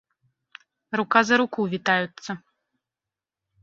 Рука за руку вітаюцца.